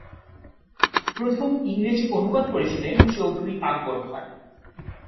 প্রথম ইংরেজি অনুবাদ করেছিলেন চৌধুরী আকবর খান।